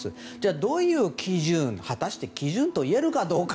どういう基準果たして基準と言えるかどうか。